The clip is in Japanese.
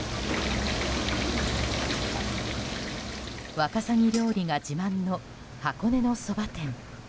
ワカサギ料理が自慢の箱根のそば店。